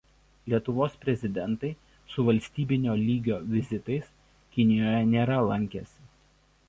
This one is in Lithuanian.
Lietuvos prezidentai su valstybinio lygio vizitais Kinijoje nėra lankęsi.